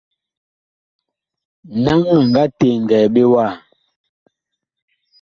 Naŋ a nga teŋgɛɛ ɓe wa ?